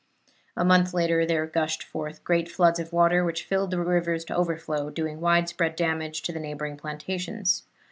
A month later there gushed forth great floods of water, which filled the rivers to overflow, doing widespread damage to the neighboring plantations.